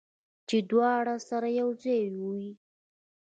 چې دواړه سره یو ځای وي